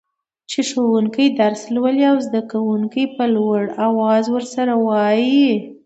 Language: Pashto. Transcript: چي ښوونکي درس لولي او زده کوونکي يي په لوړ اواز ورسره وايي.